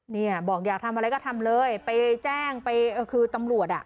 เนี่ยบอกอยากทำอะไรก็ทำเลยไปแจ้งไปเออคือตำรวจอ่ะ